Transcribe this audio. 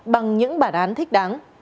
bằng những bản án thích đáng